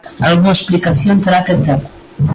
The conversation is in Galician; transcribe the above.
Algunha explicación terá que ter.